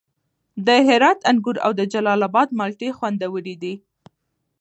د هرات انګور او د جلال اباد مالټې خوندورې دي.